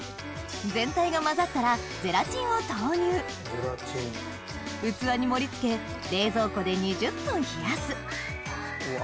全体が混ざったらゼラチンを投入器に盛り付け冷蔵庫で２０分冷やすうわ